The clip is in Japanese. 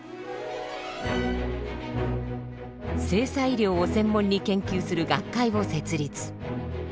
性差医療を専門に研究する学会を設立。